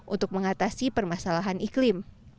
untuk mengatasi permasalahan iklim